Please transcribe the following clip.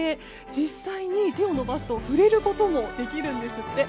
実際に手を伸ばすと触れることもできるんですって。